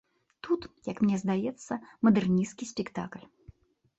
Тут, як мне здаецца, мадэрнісцкі спектакль.